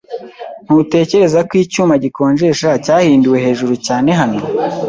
Ntutekereza ko icyuma gikonjesha cyahinduwe hejuru cyane hano?